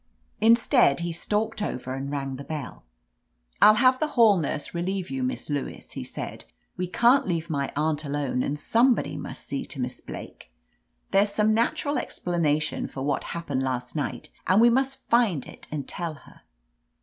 Instead, he stalked over and rang the bell. I'll have the hall nurse relieve you. Miss Lewis," he said. "We can't leave my aunt alone, and somebody must see to Miss Blake. There's some natural explanation for what happened last night, and we must find it and tell her."